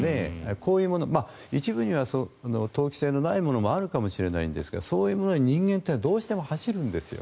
こういうもの、一部には投機性のないものもあるかもしれませんがそういうのに人間はどうしても走るんですよ。